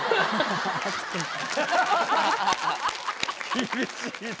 厳しい。